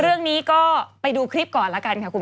เรื่องนี้ก็ไปดูคลีปก่อนละกันครับคุณผู้สมคม